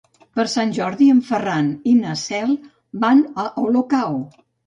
Per Sant Jordi en Ferran i na Cel van a Olocau.